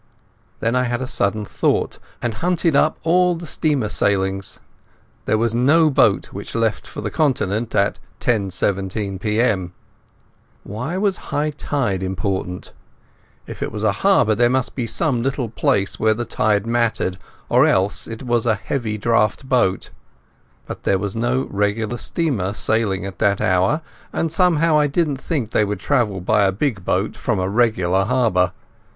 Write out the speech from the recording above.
Then I had a sudden thought, and hunted up all the steamer sailings. There was no boat which left for the Continent at 10.17 p.m. Why was high tide so important? If it was a harbour it must be some little place where the tide mattered, or else it was a heavy draught boat. But there was no regular steamer sailing at that hour, and somehow I didn't think they would travel by a big boat from a regular harbour.